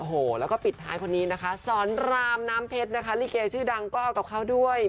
โอ้โหแล้วก็ปิดท้ายคนนี้นะคะสอนรามน้ำเพชรนะคะลิเกชื่อดังก็เอากับเขาด้วย